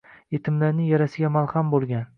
yetimlarning yarasiga malham bo'lgan